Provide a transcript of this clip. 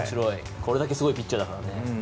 これだけすごいピッチャーだからね。